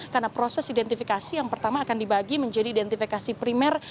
karena proses identifikasi yang pertama akan dibagi menjadi identifikasi primer